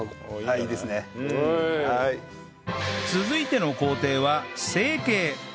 続いての工程は成形